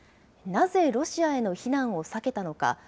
なぜ、ロシアへの非難を避けたのか。